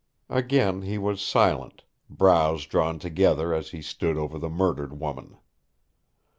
Again he was silent, brows drawn together as he stood over the murdered woman.